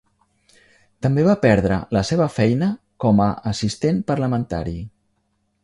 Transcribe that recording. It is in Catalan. També va perdre la seva feina com a assistent parlamentari.